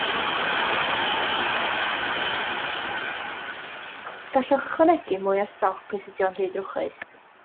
Gallwch ychwanegu mwy o stoc os ydy o'n rhy drwchus.